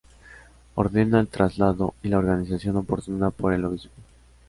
Ordena el traslado y la organización oportuna por el Obispo.